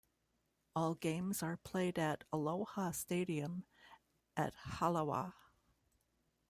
All games are played at Aloha Stadium at Halawa.